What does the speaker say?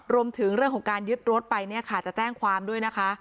รวมถึงเรื่องของการยึดรถไปเนี่ยค่ะจะแจ้งความด้วยนะคะ